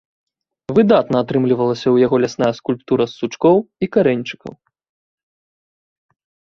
Выдатна атрымлівалася ў яго лясная скульптура з сучкоў і карэньчыкаў.